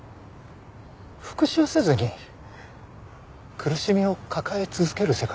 復讐せずに苦しみを抱え続ける世界。